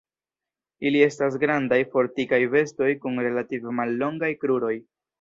Ili estas grandaj, fortikaj bestoj kun relative mallongaj kruroj.